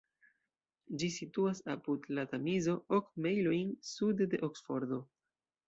Ĝi situas apud la Tamizo, ok mejlojn sude de Oksfordo.